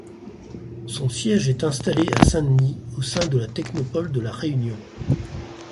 Son siège est installé à Saint-Denis au sein de la Technopole de La Réunion.